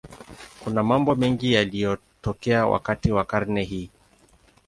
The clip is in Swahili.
Kuna mambo mengi yaliyotokea wakati wa karne hii.